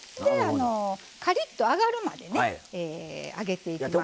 カリッと揚がるまでね揚げていきます。